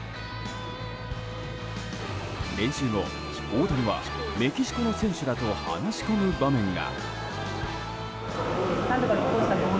練習後大谷はメキシコの選手らと話し込む場面が。